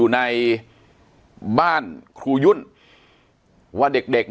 อันดับสุดท้าย